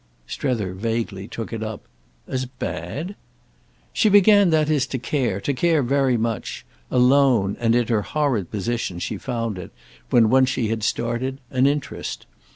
Strether vaguely took it up. "As 'bad'?" "She began, that is, to care—to care very much. Alone, and in her horrid position, she found it, when once she had started, an interest.